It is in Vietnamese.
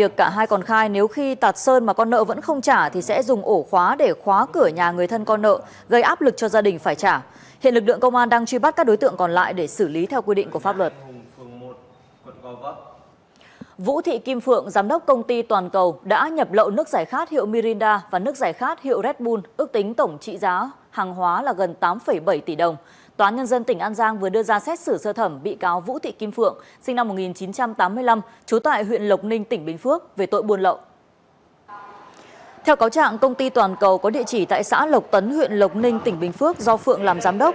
theo cáo trạng công ty toàn cầu có địa chỉ tại xã lộc tấn huyện lộc ninh tỉnh bình phước do phượng làm giám đốc